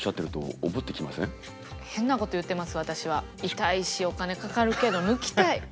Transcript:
痛いしお金かかるけど抜きたい。